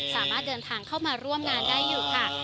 สามารถเดินทางเข้ามาร่วมงานได้อยู่ค่ะ